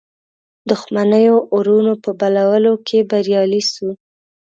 دښمنیو اورونو په بلولو کې بریالی سو.